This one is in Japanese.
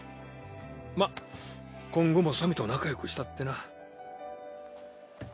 まっ今後もさみと仲よくしたってな。